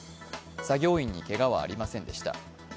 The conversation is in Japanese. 作業員にけがはありませんでした。